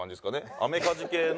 アメカジ系の。